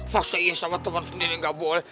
masih sama temen sendiri gak boleh